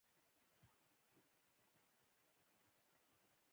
د خوړو ذخیره کول ښایي د ګډ ژوند لپاره انګېزه وي